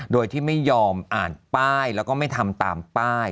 โดยที่ไม่ยอมอ่านป้ายแล้วก็ไม่ทำตามป้าย